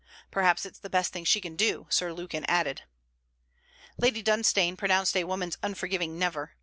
'Perhaps it's the best thing she can do,' Sir Lukin added. Lady Dunstane pronounced a woman's unforgiving: 'Never.'